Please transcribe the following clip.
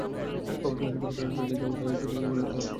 প্রভাতকালে সূর্যকে কে প্রেরণ করে, যা উদয় হয়ে পৃথিবীকে করে দেয় আলোকময়?